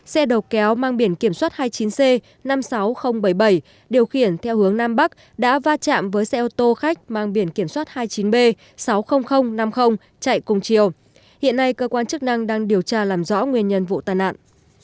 xe đầu kéo mang biển kiểm soát hai mươi chín c năm mươi sáu nghìn bảy mươi bảy điều khiển theo hướng nam bắc đã va chạm với xe ô tô khách mang biển kiểm soát hai mươi chín b sáu mươi nghìn năm mươi chạy cùng chiều hiện nay cơ quan chức năng đang điều tra làm rõ nguyên nhân vụ tai nạn